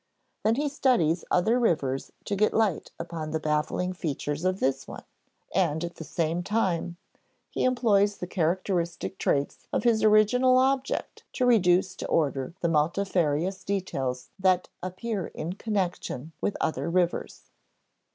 Then he studies other rivers to get light upon the baffling features of this one, and at the same time he employs the characteristic traits of his original object to reduce to order the multifarious details that appear in connection with other rivers.